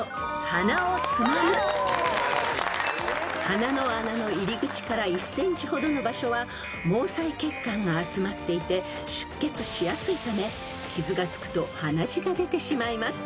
［鼻の穴の入り口から１ｃｍほどの場所は毛細血管が集まっていて出血しやすいため傷がつくと鼻血が出てしまいます］